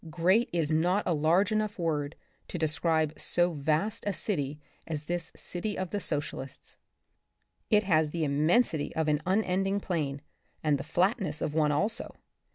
Great is not a large enough word to describe so vast a city as this city of the Socialists— it has the immensity of an unending plain, and the flatness of one also.